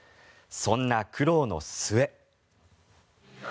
そんな苦労の末。